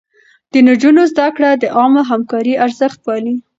د نجونو زده کړه د عامه همکارۍ ارزښت پالي.